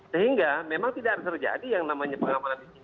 sehingga memang tidak ada yang terjadi yang namanya pengamanan di sini